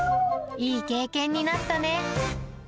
いい経験になったね。